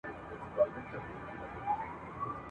زما قلا به نه وي ستا په زړه کي به آباد سمه ..